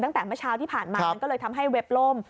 ตั้งแต่เมื่อเช้าที่ผ่านมามันก็เลยทำให้เว็บล่ม